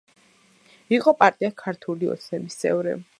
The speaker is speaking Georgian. იყო პარტია „ქართული ოცნების“ წევრი.